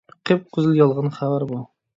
قىپقىزىل يالغان خەۋەر بۇ!